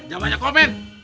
jangan aja komen